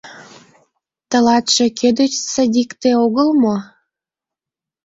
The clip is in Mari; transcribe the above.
— Тылатше кӧ деч садикте огыл мо?